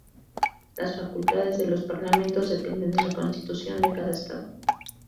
Las facultades de los parlamentos dependen de la constitución de cada Estado.